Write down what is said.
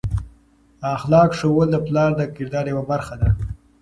اخلاق ښوول د پلار د کردار یوه برخه ده.